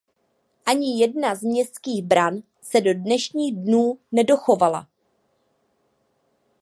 Ani jedna z městských bran se do dnešních dnů nedochovala.